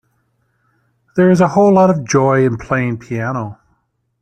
There is a whole lot of joy in playing piano.